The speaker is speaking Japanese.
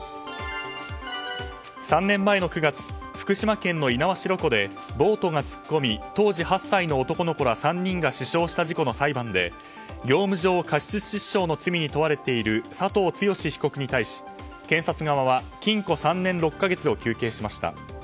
３年前の９月福島県の猪苗代湖でボートが突っ込み当時８歳の男の子ら３人が死傷した事故の裁判で業務上過失致死傷の罪に問われている佐藤剛被告に対し検察側は禁錮３年６か月を求刑しました。